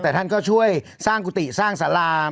แต่ท่านก็ช่วยสร้างกุฏิสร้างสารา